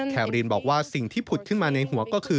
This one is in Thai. รีนบอกว่าสิ่งที่ผุดขึ้นมาในหัวก็คือ